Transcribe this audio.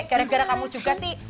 gara gara kamu juga sih